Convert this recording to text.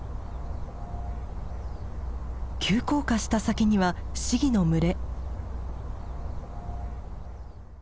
急降下した先にはシギの群れ。